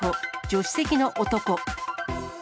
助手席の男。